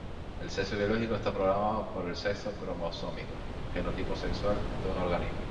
El sexo biológico está programado por el sexo cromosómico —genotipo sexual— de un organismo.